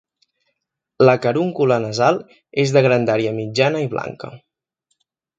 La carúncula nasal és de grandària mitjana i blanca.